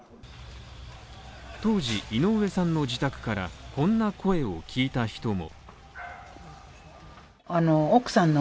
当時、井上さんの自宅から、こんな声を聞いた人も。